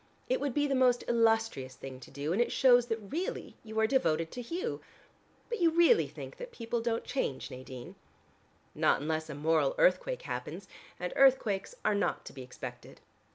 "It would be the most illustrious thing to do and it shows that really you are devoted to Hugh. But you really think that people don't change, Nadine?" "Not unless a moral earthquake happens and earthquakes are not to be expected.